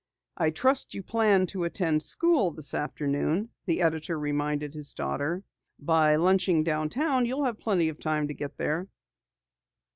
"I trust you plan to attend school this afternoon," the editor reminded his daughter. "By lunching downtown you'll have plenty of time to get there."